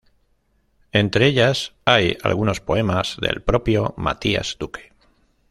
Entre ellas hay algunos poemas del propio Matías Duque.